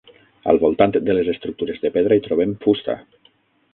Al voltant de les estructures de pedra hi trobem fusta.